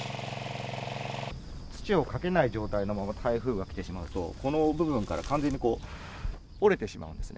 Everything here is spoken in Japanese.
土をかけない状態のまま台風が来てしまうと、この部分から完全にこう、折れてしまうんですね。